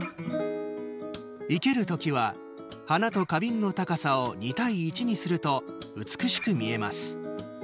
生ける時は、花と花瓶の高さを２対１にすると美しく見えます。